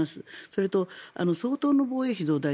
それと、相当の防衛費増大